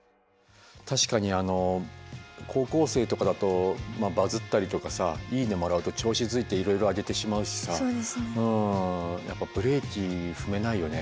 確かに高校生とかだとバズったりとかさ「いいね」もらうと調子づいていろいろ上げてしまうしさやっぱブレーキ踏めないよね